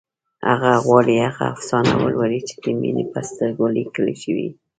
هغه غواړي هغه افسانه ولولي چې د مينې په سترګو کې لیکل شوې